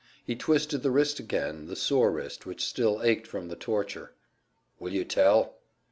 He twisted the wrist again, the sore wrist which still ached from the torture. "Will you tell?"